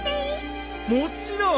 もちろん！